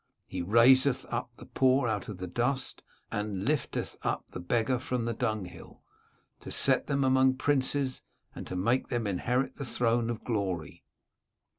He raiseth up the poor out of the dust, and lifteth up the beggar from the dunghill, to set them among princes, and to make them inherit the throne of glory."